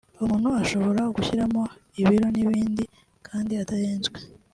umuntu ashobora gushyiramo ibiro n’ibindi kandi adahenzwe